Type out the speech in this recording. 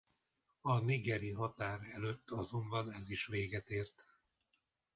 A nigeri határ előtt azonban ez is véget ért.